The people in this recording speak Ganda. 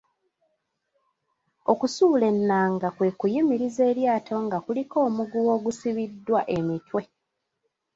Okusuula ennanga kwe kuyimiriza eryato nga kuliko omuguwa ogusibiddwa emitwe.